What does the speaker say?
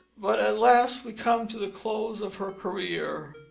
But at last we come to the close of her career.